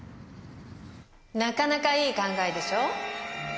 なかなかいい考えでしょ？